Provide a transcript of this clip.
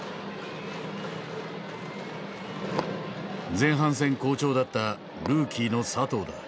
前半戦好調だったルーキーの佐藤だ。